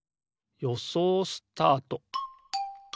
よそうスタート！